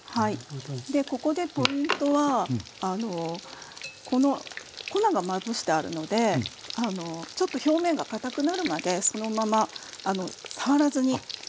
ここでポイントはこの粉がまぶしてあるのでちょっと表面がかたくなるまでそのまま触らずに置いて下さい。